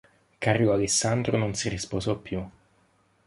Carlo Alessandro non si risposò più.